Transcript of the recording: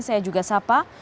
saya juga sapa